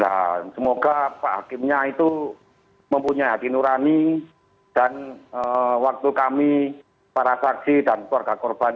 ya semoga pak hakimnya itu mempunyai hati nurani dan waktu kami para saksi dan keluarga korban